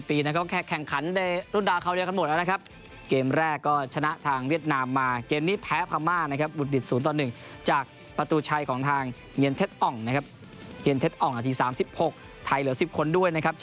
ดีใจแต่ไม่ได้ดีใจมากเท่ากับเป็นชายผ้าเหลือเขาถือว่า